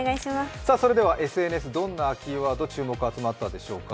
それではＳＮＳ、どんなキーワードに注目が集まったでしょうか？